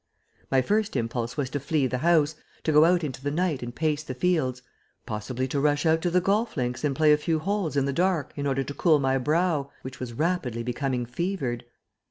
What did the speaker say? My first impulse was to flee the house, to go out into the night and pace the fields possibly to rush out to the golf links and play a few holes in the dark in order to cool my brow, which was rapidly becoming fevered.